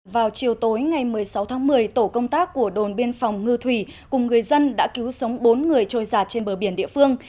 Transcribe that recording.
vào chiều tối ngày một mươi sáu tháng một mươi tổ công tác của đồn biên phòng ngư thủy cùng người dân đã cứu sống bốn người trôi giạt trên bờ biển địa phương